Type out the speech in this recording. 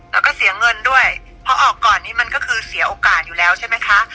แล้วก็เสียเงินด้วยเพราะออกก่อนนี้มันก็คือเสียโอกาสอยู่แล้วใช่ไหมคะ